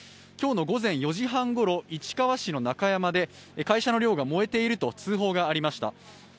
今日の午前４時半ごろ、市川市の中山で会社の寮が燃えていると連絡がありました。